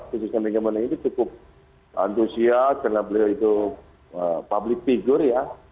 khususnya megamena ini cukup antusias karena beliau itu public figure ya